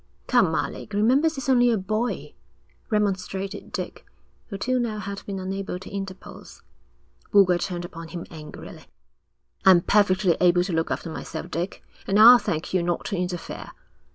'Come, Alec, remember he's only a boy,' remonstrated Dick, who till now had been unable to interpose. Boulger turned upon him angrily. 'I'm perfectly able to look after myself, Dick, and I'll thank you not to interfere.'